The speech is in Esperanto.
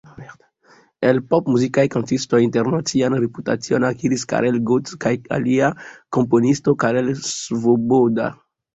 El pop-muzikaj kantistoj internacian reputacion akiris Karel Gott kaj lia komponisto Karel Svoboda.